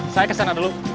saya kesana dulu